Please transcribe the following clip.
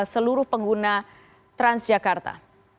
seluruh pengguna transjakarta